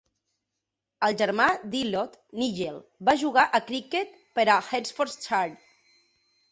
El germà d'Ilott, Nigel, va jugar a criquet per a Hertfordshire.